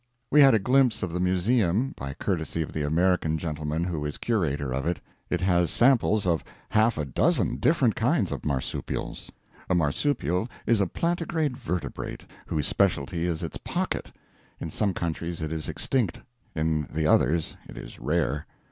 We had a glimpse of the museum, by courtesy of the American gentleman who is curator of it. It has samples of half a dozen different kinds of marsupials [A marsupial is a plantigrade vertebrate whose specialty is its pocket. In some countries it is extinct, in the others it is rare.